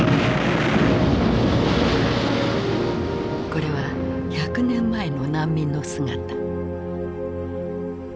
これは１００年前の難民の姿。